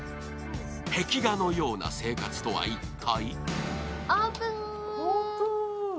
壁画のような生活とは一体？